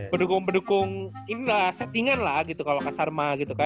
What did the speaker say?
pendukung pendukung inilah settingan lah gitu kalau kasarma gitu kan